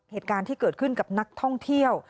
เหตุการณ์ที่เกิดขึ้นกับนักท่องเที่ยว